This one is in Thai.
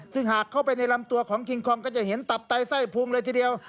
ซึ่งหากเข้าไปในลำตัวของคิงคองก็จะเห็นตับไตไส้พุงเลยทีเดียว